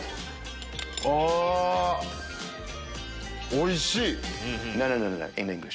おいしい！